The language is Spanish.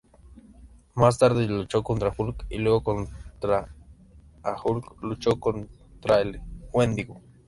Más tarde luchó contra Hulk, y luego, junto a Hulk, luchó contra el Wendigo.